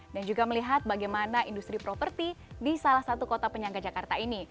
dan juga melihat bagaimana industri properti di salah satu kota penyangga jakarta ini